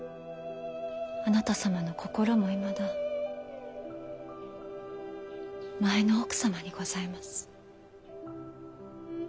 あなた様の心もいまだ前の奥様にございます。